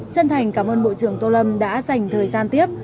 chân thành cảm ơn bộ trưởng tô lâm đã dành thời gian tiếp